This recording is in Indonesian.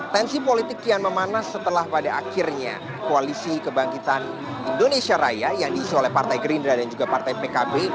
tensi politik kian memanas setelah pada akhirnya koalisi kebangkitan indonesia raya yang diisi oleh partai gerindra dan juga partai pkb